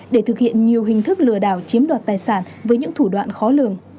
để thực hiện nhiều hình thức lừa đảo chiếm đoạt tài sản với những thủ đoạn khó lường